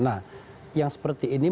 nah yang seperti ini